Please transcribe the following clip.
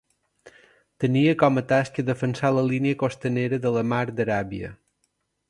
Tenia com a tasca defensar la línia costanera de la mar d'Aràbia.